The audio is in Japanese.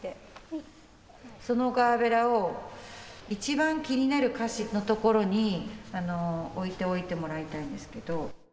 そのガーベラを一番気になる歌詞のところに置いておいてもらいたいんですけど。